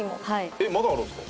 えっまだあるんですか？